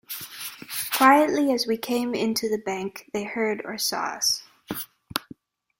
Quietly as we came into the bank, they heard or saw us.